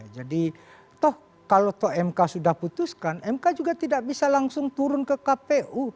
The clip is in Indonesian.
jadi toh kalau mk sudah putuskan mk juga tidak bisa langsung turun ke kpu